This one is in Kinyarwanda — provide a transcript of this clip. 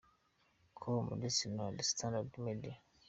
com ndetse na The Standard Media.